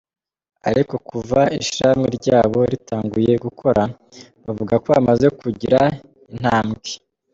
Ariko kuva ishirahamwe ryabo ritanguye gukora, bavuga ko bamaze kugira intambwe.